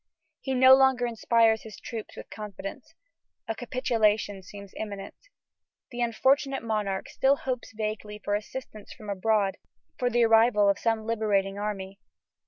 He no longer inspires his troops with confidence. A capitulation seems imminent. The unfortunate monarch still hopes vaguely for assistance from abroad, for the arrival of some liberating army.